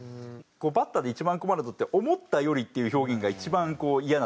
バッターで一番困るのって「思ったより」っていう表現が一番イヤなところがあって。